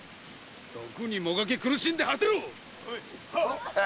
毒にもがき苦しんで果てろっ！